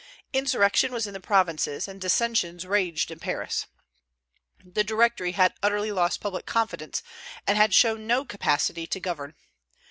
Insurrection was in the provinces, and dissensions raged in Paris. The Directory had utterly lost public confidence, and had shown no capacity to govern.